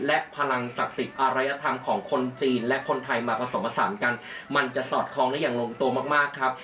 และพลังศักดิ์สิทธิ์อารยธรรมของคนจีนและคนไทยมาผสมผสานกันมันจะสอดคล้องได้อย่างลงตัวมากมากครับ